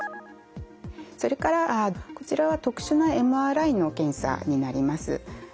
それからこちらは特殊なＭＲＩの検査になります。